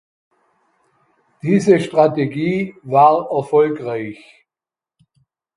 Diese Strategie war erfolgreich.